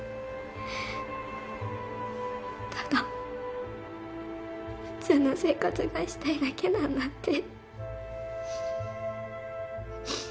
ただ普通の生活がしたいだけなんだって。